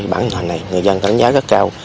bản thân này người dân đã đánh giá rất cao